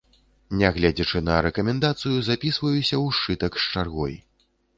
Нягледзячы на рэкамендацыю, запісваюся ў сшытак з чаргой.